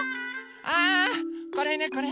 あこれだこれ。